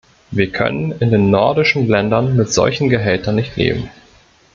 Wir können in den nordischen Ländern mit solchen Gehältern nicht leben.